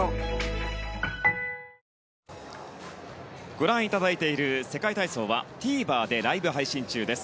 ご覧いただいている世界体操はＴＶｅｒでライブ配信中です。